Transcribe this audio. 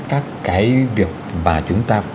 các cái việc mà chúng ta